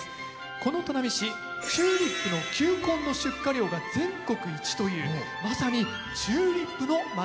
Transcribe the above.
この砺波市チューリップの球根の出荷量が全国一というまさにチューリップのまちなんです。